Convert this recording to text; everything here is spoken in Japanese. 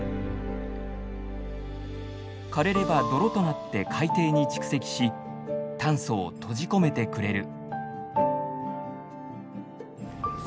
かれれば泥となって海底に蓄積し炭素を閉じ込めてくれる。